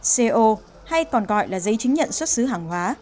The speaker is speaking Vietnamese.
co hay còn gọi là giấy chứng nhận xuất xứ hàng hóa